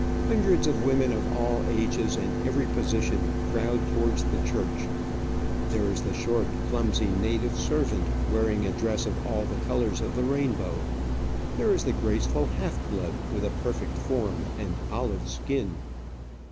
Hundreds of women of all ages and every position crowd towards the church. There is the short, clumsy native servant, wearing a dress of all the colours of Digitized by VjOOQIC OF AN Orchid Hunter, 133 the rainbow ; there is the graceful half blood, with a perfect form and olive skin.